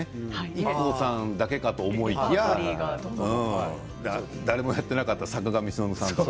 ＩＫＫＯさんだけかと思いきや誰もやっていなかった坂上忍さんとか。